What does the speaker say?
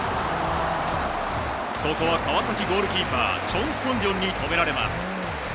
ここは川崎、ゴールキーパーチョン・ソンリョンに止められます。